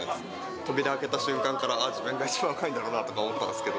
扉開けた瞬間から、自分が一番若いんだろうなと思ったんですけど。